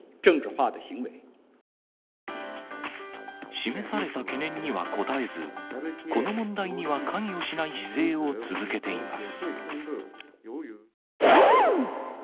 示された懸念には答えず、この問題には関与しない姿勢を続けています。